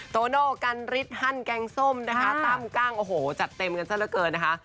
โตโน่กันฤทธิฮั่นแกงส้มนะคะตั้มกั้งโอ้โหจัดเต็มกันซะละเกินนะคะ